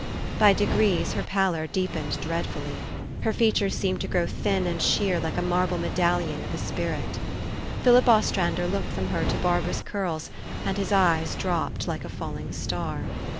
Ity degrees her pallor deepened dreadfully. Her features seemed to grow thin and sheer like a marble medallion of a spirit. Philip Ostrander looked from her to Barbara's curls ; and his eyes dropped like a falling star.